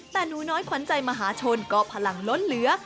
แต่หนูน้อยขวัญใจมหาชนก็พลังล้นเหลือ